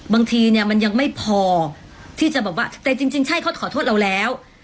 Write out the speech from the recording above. บางทีเนี่ยมันยังไม่พอที่จะแบบว่าแต่จริงใช่เขาขอโทษเราแล้ว